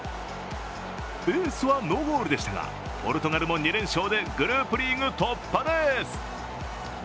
エースはノーゴールでしたが、ポルトガルも２連勝でグループリーグ突破です。